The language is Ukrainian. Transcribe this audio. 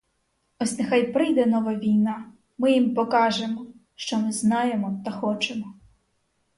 Ось нехай прийде нова війна, ми їм покажемо, що ми знаємо та хочемо.